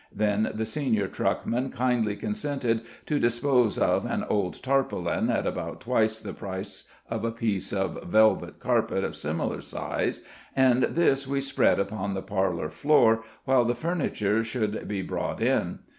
Then the senior truckman kindly consented to dispose of an old tarpaulin, at about twice the price of a piece of velvet carpet of similar size, and this we spread upon the parlor floor while the furniture should be brought in.